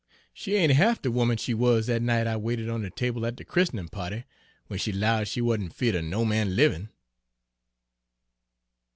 She ain't half de woman she wuz dat night I waited on de table at de christenin' pa'ty, w'en she 'lowed she wuzn' feared er no man livin'."